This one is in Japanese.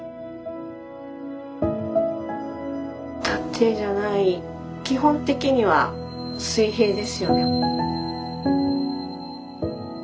縦じゃない基本的には水平ですよね。